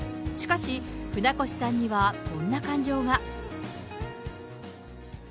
しかし、船越さんにはこんな感情が。